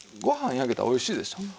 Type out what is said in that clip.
ご飯焼けたらおいしいですよ。